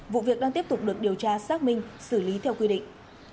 vụ việc đang tiếp tục được điều tra xác minh xử lý theo quy định